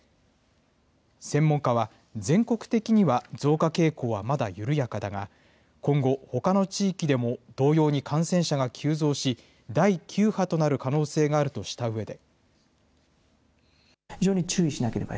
専門家は、全国的には増加傾向はまだ緩やかだが、今後、ほかの地域でも同様に感染者が急増し、第９波となる可能性があるとしたうえで。